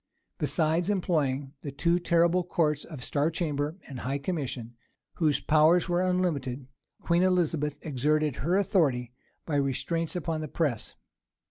Besides employing the two terrible courts of star chamber and high commission, whose powers were unlimited, Queen Elizabeth exerted her authority by restraints upon the press.